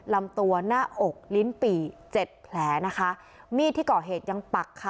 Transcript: ลำตัวหน้าอกลิ้นปี่เจ็ดแผลนะคะมีดที่ก่อเหตุยังปักค่ะ